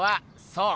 そう！